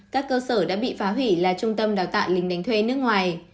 các cơ sở đã bị phá hủy là trung tâm đào tạo lình đánh thuê nước ngoài